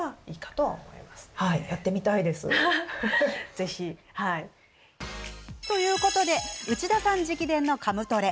ぜひ。ということで内田さん直伝のカムトレ